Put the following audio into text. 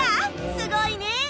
すごいね。